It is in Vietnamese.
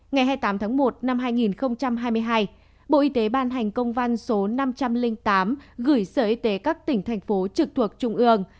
ngày hai mươi tám tháng một năm hai nghìn hai mươi hai bộ y tế ban hành công văn số năm trăm linh tám gửi sở y tế các tỉnh thành phố trực thuộc trung ương